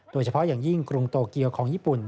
โดยเฉพาะอย่างยิ่งกรุงโตเกียวของญี่ปุ่น